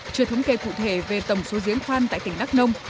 chưa thống kê cụ thể về tổng số giếng khoan tại tỉnh đắk nông